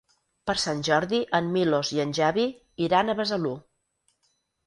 Per Sant Jordi en Milos i en Xavi iran a Besalú.